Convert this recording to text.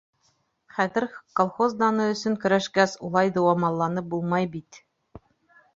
Хәҙер колхоз даны өсөн көрәшкәс, улай дыуамалланып булмай бит.